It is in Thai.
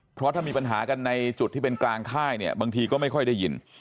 เพราะถ้ามีปัญหากันในจุดที่เป็นกลางค่ายเนี่ยบางทีก็ไม่ค่อยได้ยิน